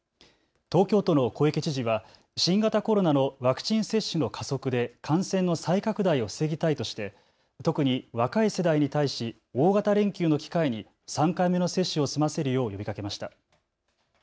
東京都の小池知事は新型コロナのワクチン接種の加速で感染の再拡大を防ぎたいとして特に若い世代に対し大型連休の機会に３回目の接種を済ませるよう呼びかけました。